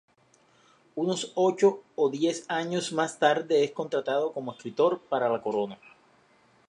Unos ocho o diez años más tarde es contratado como escritor para la corona.